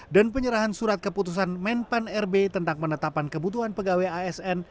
penyerahan surat keputusan menpan rb tentang penetapan kebutuhan pegawai asn